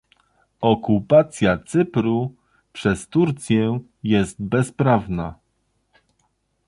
Okupacja Cypru przez Turcję jest bezprawna